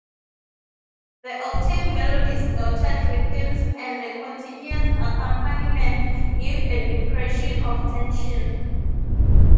The octave melody's dotted rhythms and the continuous accompaniment give an impression of tension.